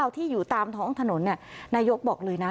ที่อยู่ตามท้องถนนนายกบอกเลยนะ